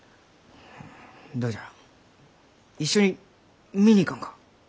どうじゃ一緒に見に行かんか？